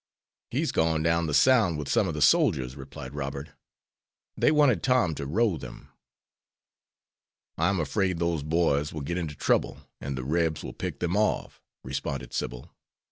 "He's gone down the sound with some of the soldiers," replied Robert. "They wanted Tom to row them." "I am afraid those boys will get into trouble, and the Rebs will pick them off," responded Sybil.